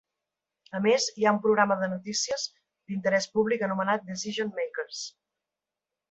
A més, hi ha un programa de notícies d'interès públic anomenat "Decision Makers".